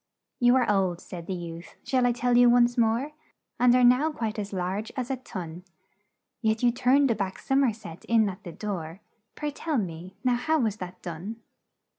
"'You are old,' said the youth, 'shall I tell you once more? And are now quite as large as a tun; Yet you turned a back som er set in at the door Pray, tell me now, how was that done?'